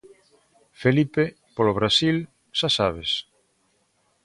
Felipe, polo Brasil, xa sabes.